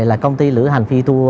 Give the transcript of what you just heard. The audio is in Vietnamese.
là công ty lữ hành fiditur